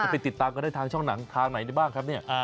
ไปติดตามกันได้ทางช่องหนังทางไหนได้บ้างครับเนี่ย